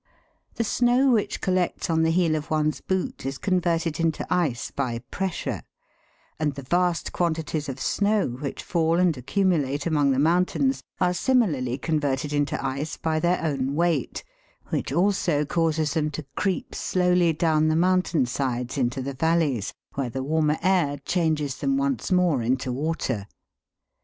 The snow which collects on the heel of one's boot is converted into ice by pressure ; and the vast quanti ties of snow which fall and accumulate among the mountains are similarly converted into ice by their own weight, which also causes them to creep slowly down the mountain sides into the valleys, where the warmer air changes them once more into water.